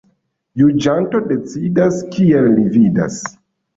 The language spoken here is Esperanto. Juĝanto decidas, kiel li vidas.